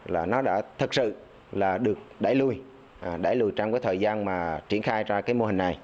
là nó đã thật sự là được đẩy lùi đẩy lùi trong cái thời gian mà triển khai ra cái mô hình này